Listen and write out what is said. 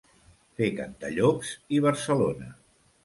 Fer Cantallops i Barcelona.